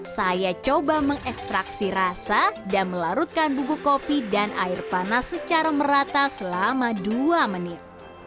saya coba mengekstraksi rasa dan melarutkan buku kopi dan air panas secara merata selama dua menit